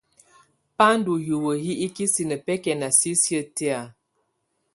Bà ndù hiwǝ hi ikisinǝ bɛkɛna sisiǝ́ tɛ̀á.